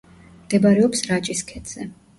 მდებარეობს რაჭის ქედზე.